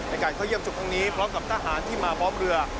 ในการเข้าเยี่ยมจุดตรงนี้พร้อมกับทหารที่มาพร้อมเรือ